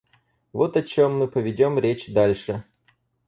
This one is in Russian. Вот о чем мы поведем речь дальше.